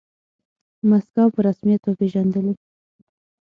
موسکو په رسميت وپیژندلې.